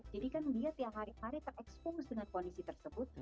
jadi kan lihat ya hari hari terekspos dengan kondisi tersebut